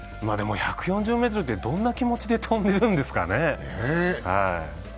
でも１４０ｍってどんな気持ちで飛んでるんですかね。